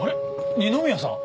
二宮さん？